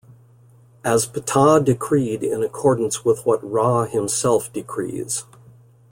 As Ptah decreed in accordance with what Ra himself decrees.